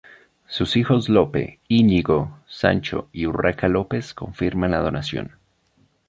Sus hijos Lope, Íñigo, Sancho y Urraca López confirman la donación.